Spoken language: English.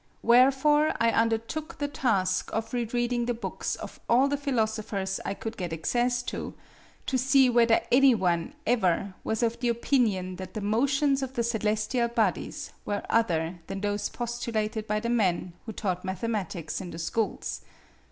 Wherefore I undertook the task of rereading the books of all the philosophers I could get access to, to see whether any one ever was of the opinion that the motions of the celestial bodies were other than those postulated by the men who taught mathematics in the schools.